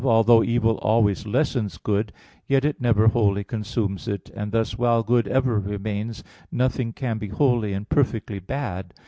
4), although evil always lessens good, yet it never wholly consumes it; and thus, while good ever remains, nothing can be wholly and perfectly bad.